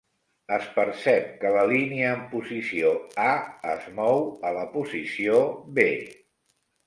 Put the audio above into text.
Es percep que la línia en posició A es mou a la posició B.